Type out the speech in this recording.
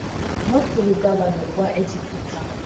no ku rugabano rwa Egiputa